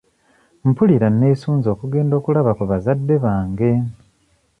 Mpulira neesunze okugenda okulaba ku bazadde bange.